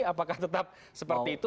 apakah tetap seperti itu